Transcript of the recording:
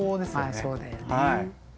まあそうだよね。